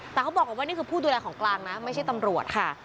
แต่เขาบอกว่านี่คือผู้ดูแลของกลางนะไม่ใช่ตำรวจค่ะ